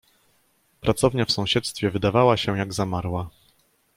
"Pracownia w sąsiedztwie wydawała się jak zamarła."